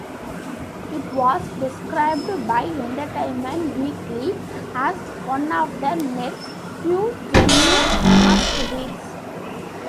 It was described by "Entertainment Weekly" as one of the Net's "few genuine must-reads".